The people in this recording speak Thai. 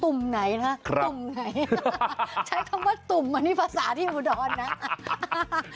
ตุ่มไงใช้คำว่าตุ่มเป็นภาษาที่หูดดอนนะ